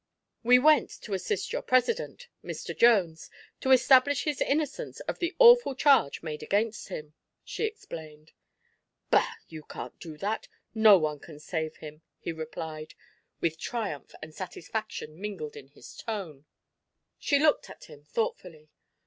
"We went to assist your president Mr. Jones to establish his innocence of the awful charge made against him," she explained. "Bah. You can't do that. No one can save him," he replied, with triumph and satisfaction mingled in his tone. She looked at him thoughtfully.